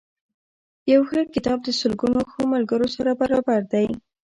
یو ښه کتاب د سلګونو ښو ملګرو سره برابر دی.